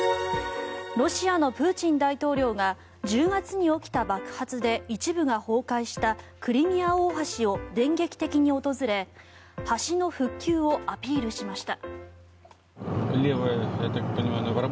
ロシアのプーチン大統領が１０月に起きた爆発で一部が崩壊したクリミア大橋を電撃的に訪れ橋の復旧をアピールしました。